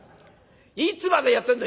いつまでやってんだ！